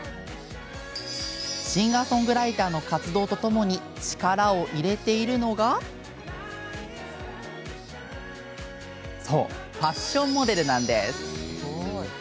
シンガーソングライターの活動とともに力を入れているのがファッションモデルなんです。